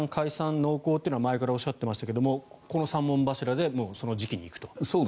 濃厚というのが前からおっしゃっていましたがこの三本柱でこの時期に行くと。